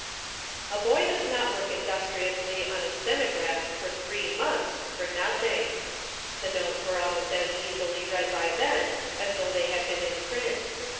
A boy does not work industriously on a stenograph for three months for nothing. The notes were almost as easily read by Ben as though they had been in print.